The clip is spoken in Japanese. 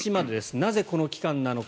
なぜ、この期間なのか。